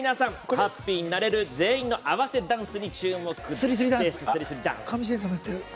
ハッピーになれる全員の合わせダンスに注目です